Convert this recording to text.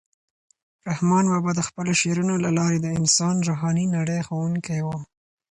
رحمان بابا د خپلو شعرونو له لارې د انسان د روحاني نړۍ ښوونکی و.